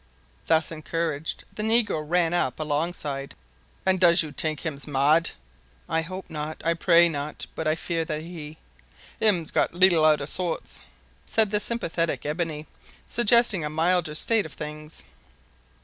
Thus encouraged, the negro ranged up alongside. "An' does you t'ink hims mad?" "I hope not. I pray not; but I fear that he " "Hims got leettle out ob sorts," said the sympathetic Ebony, suggesting a milder state of things.